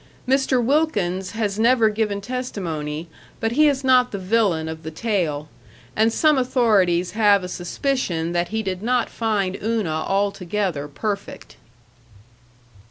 Mr. Wilkins has never given testimony, but he is not the villain of the tale, and some authorities have a suspicion that he did not find Una altogether perfect.